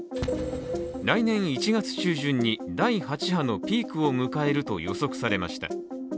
来年１月中旬に第８波のピークを迎えると予測されました。